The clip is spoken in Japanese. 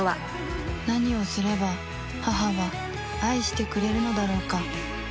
「何をすれば母は愛してくれるのだろうか」